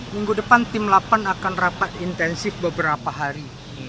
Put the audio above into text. minggu depan tim delapan akan rapat intensif beberapa hari